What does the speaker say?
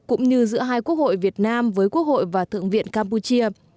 cũng như giữa hai quốc hội việt nam với quốc hội và thượng viện campuchia